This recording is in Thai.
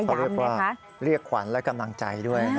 เขาเรียกว่าเรียกขวัญและกำลังใจด้วย